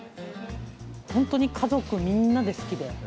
ホントに家族みんなで好きで。